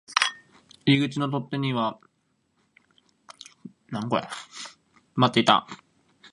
入り口の取っ手には埃が溜まっていた